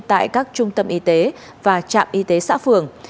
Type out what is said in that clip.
tại các trung tâm y tế và trạm y tế xã phường